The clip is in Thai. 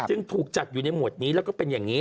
จึงถูกจัดอยู่ในหมวดนี้แล้วก็เป็นอย่างนี้